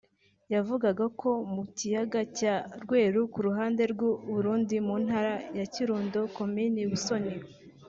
yavugaga ko mu kiyaga cya Rweru ku ruhande rw’u Burundi mu ntara ya Kirundo komini Busoni